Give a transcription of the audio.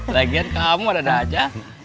lagian kamu ada aja